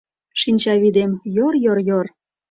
Шинчавӱдем — йор-йор-йор...